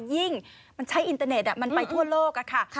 ยิ่งมันใช้อินเตอร์เน็ตมันไปทั่วโลกค่ะ